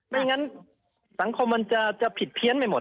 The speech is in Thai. ไม่งั้นสังคมมันจะผิดเพี้ยนไปหมด